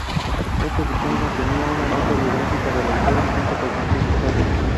Esta edición contenía una nota biográfica del autor escrita por Francisco Zarco.